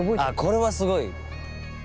あこれはすごい！